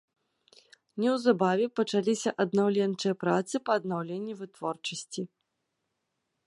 Неўзабаве пачаліся аднаўленчыя працы па аднаўленні вытворчасці.